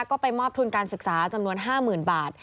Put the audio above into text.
ก็ไปมอบทุนการศึกษาจำนวน๕๐๐๐บาท